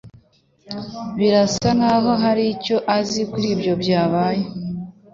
Birasa nkaho hari icyo azi kuri ibyo byabaye.